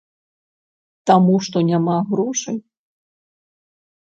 Таму што няма грошай.